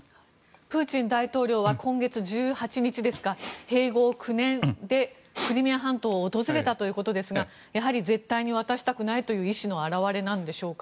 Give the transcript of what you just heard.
プーチン大統領は今月１８日ですか併合９年でクリミア半島を訪れたということですがやはり絶対に渡したくないという意思の表れなんでしょうか。